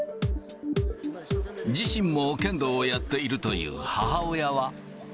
自身も剣道をやっているという母親は。